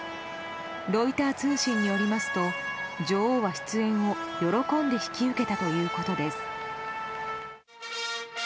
ロイター通信によりますと女王は出演を喜んで引き受けたということです。